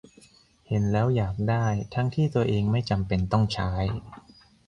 เห็นแล้วอยากได้ ทั้งที่ตัวเองไม่จำเป็นต้องใช้